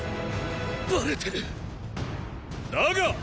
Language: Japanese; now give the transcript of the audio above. バレてるだが！